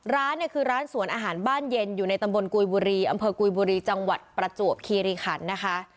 ร้านเนี่ยคือร้านสวนอาหารบ้านเย็นอยู่ในตำบลกุยบุรีอำเภอกุยบุรีจังหวัดประจวบคีรีขันนะคะ